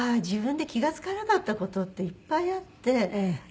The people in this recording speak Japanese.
自分で気が付かなかった事っていっぱいあって。